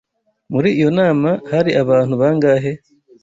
Muri iyo nama hari abantu bangahe?